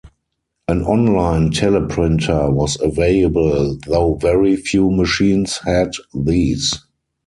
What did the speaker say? An online teleprinter was available, though very few machines had these.